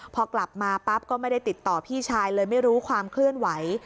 พอกลับมาปั๊บก็ไม่ได้ติดต่อพี่ชายเลยไม่รู้ความเคลื่อนไหว